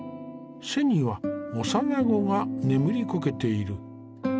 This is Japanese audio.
背には幼子が眠りこけている。